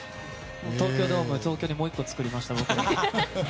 東京ドームを東京にもう１個作りました、僕。